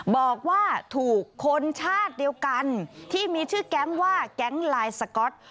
บอกว่าถูกคนชาติเดียวกันที่มีชื่อแก๊งว่าแก๊งลายสก๊อต